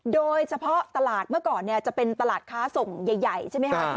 โดยเฉพาะตลาดเมื่อก่อนจะเป็นตลาดค้าส่งใหญ่ใช่ไหมคะ